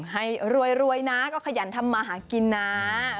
ให้รวยนะก็ขยันทำมาหากินนะ